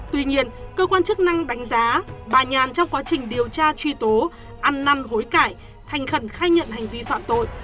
tuy nhiên cơ quan chức năng đánh giá bà nhàn trong quá trình điều tra truy tố ăn năn hối cải thành khẩn khai nhận hành vi phạm tội